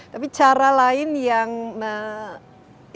tapi cara lain yang istilahnya menunjukkan